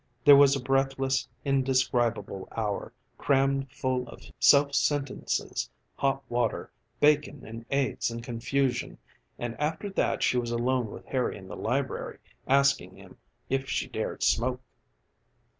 There was a breathless indescribable hour crammed full of self sentences, hot water, bacon and eggs and confusion; and after that she was alone with Harry in the library, asking him if she dared smoke.